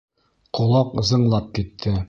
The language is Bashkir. Ҡолаҡ зыңлап китте.